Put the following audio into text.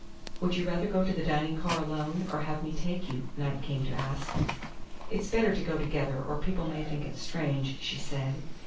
"Would you rather go to the dining car alone, or have me take you?" Knight came to ask. "It's better to go together, or people may think it strange," she said.